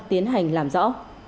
tiến hành làm rõ